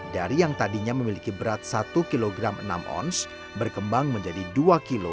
dari yang tadinya memiliki berat satu enam kg berkembang menjadi dua sembilan kg